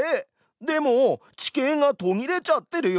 でも地形がとぎれちゃってるよ。